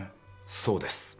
そうです。